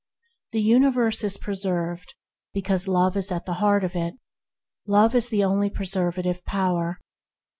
The universe is preserved because Love is at the Heart of it. Love is the only preservative power.